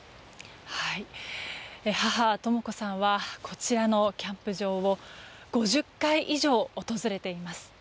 母とも子さんはこちらのキャンプ場を５０回以上、訪れています。